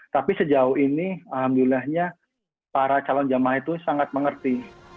tapi sejauh ini alhamdulillahnya para calon jemaah itu sangat mengerti